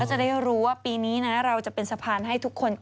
จะได้รู้ว่าปีนี้นะเราจะเป็นสะพานให้ทุกคน